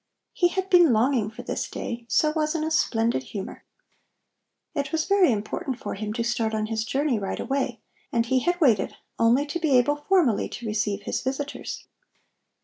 He had been longing for this day, so was in a splendid humor. It was very important for him to start on his journey right away, and he had waited only to be able formally to receive his visitors.